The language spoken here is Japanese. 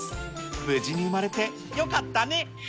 無事に産まれてよかったね。